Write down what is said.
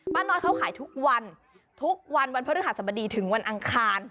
น้อยเขาขายทุกวันทุกวันวันพฤหัสบดีถึงวันอังคาร